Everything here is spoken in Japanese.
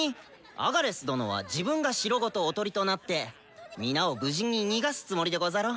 アガレス殿は自分が城ごとおとりとなって皆を無事に逃がすつもりでござろう？